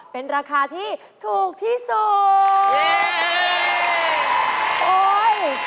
เป็นราคาที่ถูกที่สุด